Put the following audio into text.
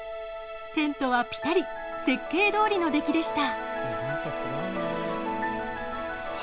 テントはぴたり設計とおりの出来でした。